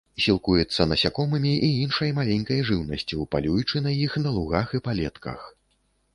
Сілкуецца насякомымі і іншай маленькай жыўнасцю, палюючы на іх на лугах і палетках.